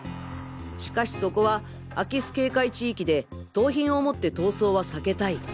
しかしそこは空き巣警戒地域で盗品を持って逃走は避けたい。